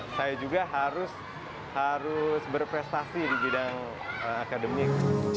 saya juga harus berprestasi di bidang akademik